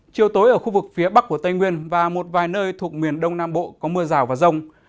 chiều tối ở khu vực phía bắc của tây nguyên và một vài nơi thuộc miền đông nam bộ có mưa rào và rông